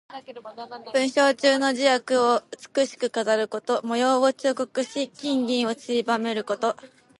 文章中の字や句を美しく飾ること。模様を彫刻し、金銀をちりばめること。